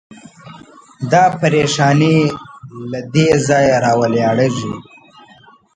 دا پرېشاني له دې ځایه راولاړېږي.